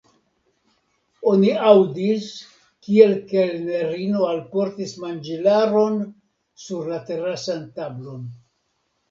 Oni aŭdis, kiel kelnerino alportis manĝilaron sur la terasan tablon.